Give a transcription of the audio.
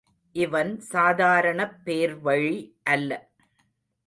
இவன் சாதாரணப் பேர்வழி அல்ல.